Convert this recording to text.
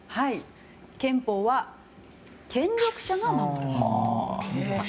憲法は権力者が守るもの。